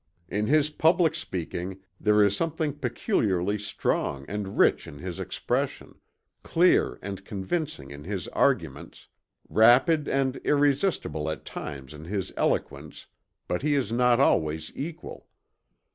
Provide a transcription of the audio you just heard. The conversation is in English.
In his public speaking there is something peculiarly strong and rich in his expression, clear, and convincing in his arguments, rapid and irresistible at times in his eloquence but he is not always equal.